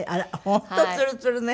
本当ツルツルね。